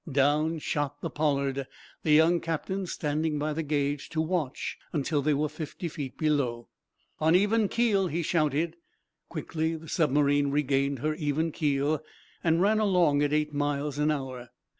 Down shot the "Pollard," the young captain standing by the gauge to watch until they were fifty feet below. "On even keel!" he shouted. Quickly the submarine regained her even keel, and ran along at eight miles an hour.